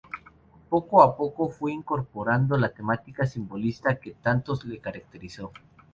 Poco a poco fue incorporando la temática simbolista, que tanto le caracterizó.